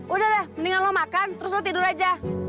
udah deh mendingan lo makan terus lo tidur aja